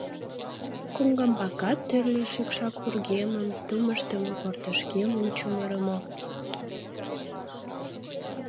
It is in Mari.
Коҥгамбакат тӱрлӧ шӱкшак вургемым, тумыштымо портышкемым чумырымо.